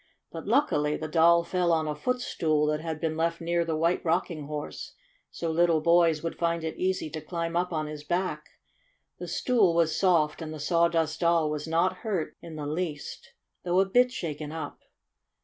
But, luckily, the Doll fell on a footstool that had been left near the White Rocking Horse so little boys would find it easy to climb up on his back. The stool was soft, and the Sawdust Doll was not hurt in the least, though a bit shaken up.